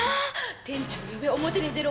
店長呼べ表に出ろ